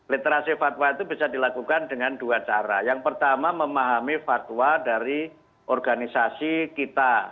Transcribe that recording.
literasi fatwa itu bisa dilakukan dengan dua cara yang pertama memahami fatwa dari organisasi kita